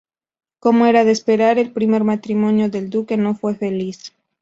Como era de esperar, el primer matrimonio del duque no fue feliz.